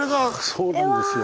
そうなんですよ。